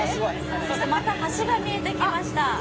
そしてまた橋が見えてきました。